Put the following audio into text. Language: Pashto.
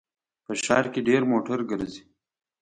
په ښار کې ډېر موټر ګرځي